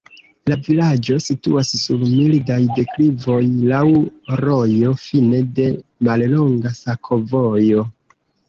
La vilaĝo situas sur mildaj deklivoj, laŭ rojo, fine de mallonga sakovojo.